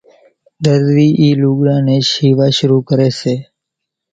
ۮرزي اِي لوڳڙان نين شيووا شروع ڪري سي